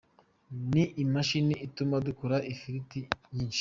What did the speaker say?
Ni imashini ituma dukora ifiriti nyinshi.